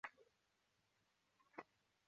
包多镇为缅甸若开邦实兑县的镇区。